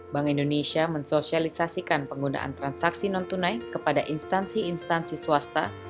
bank indonesia mensosialisasikan penggunaan transaksi non tunai kepada instansi instansi swasta